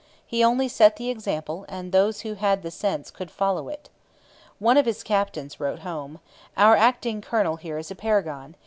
He only set the example, and those who had the sense could follow it. One of his captains wrote home: 'Our acting colonel here is a paragon.